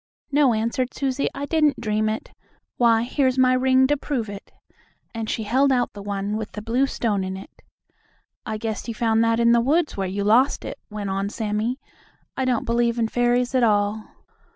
"No," answered Susie, "I didn't dream it. Why, here's my ring to prove it," and she held out the one with the blue stone in it. "I guess you found that in the woods, where you lost it," went on Sammie. "I don't believe in fairies at all."